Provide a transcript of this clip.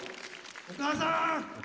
お母さん！